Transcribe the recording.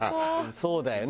そうだよね